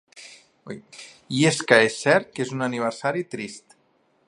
I és que, és cert que és un aniversari trist.